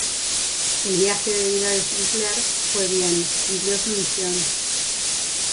El viaje de ida de Sinclair fue bien, cumplió su misión.